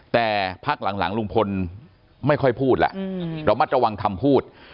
แต่พักหลังลุงพลไม่ค่อยพูดแล้วระมัดระวังคำพูด